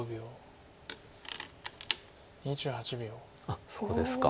あっそこですか。